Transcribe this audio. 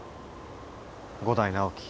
伍代直樹。